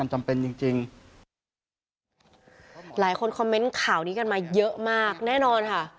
หลายคนคอมเมนต์ข่าวนี้กันมาเยอะมากแน่นอนค่ะ